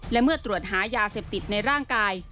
และเมื่อตรวจหายาเสพติดในร่างกาย